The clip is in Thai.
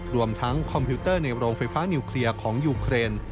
รวมทั้งคอมพิวเตอร์ในโรงไฟฟ้านิวเคลียร์ของยูเครน